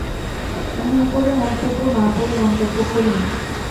আমি উপরের মন্তব্য না পড়ে মন্তব্য করিনি।